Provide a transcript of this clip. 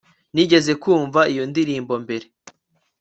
nigeze kumva iyo ndirimbo mbere